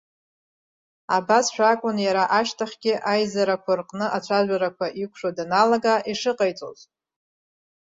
Абасшәа акәын иара ашьҭахьгьы, аизарақәа рҟны ацәажәарақәа иқәшәо даналага, ишыҟаиҵоз.